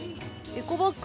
エコバッグ。